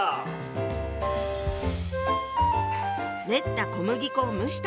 練った小麦粉を蒸したもの。